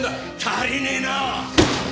足りねえなぁ！